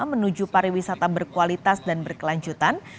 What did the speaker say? menuju pariwisata berkualitas dan berkelanjutan